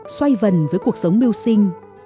xoay vần với cuộc sống mưu sinh